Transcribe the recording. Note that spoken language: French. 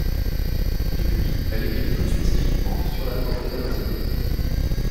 Depuis, elle écrit plus spécifiquement sur la forêt d’Amazonie.